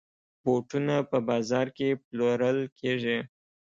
بوټونه په بازاز کې پلورل کېږي.